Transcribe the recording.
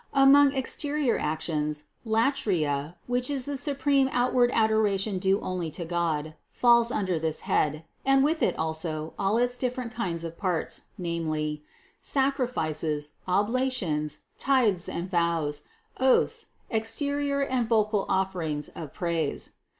Among exterior actions, latria, which is the supreme outward adoration due only to God, falls under this head, and with it also all its different kinds of parts, namely: sacrifices, oblations, tithes and vows, oaths, exterior and vocal offer ing of praise.